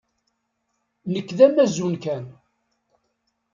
Nekk d amazun kan.